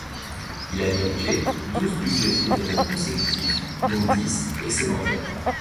Il a dirigé douze budgets fédéraux consécutifs dont dix excédentaires.